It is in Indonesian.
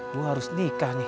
gue harus nikah nih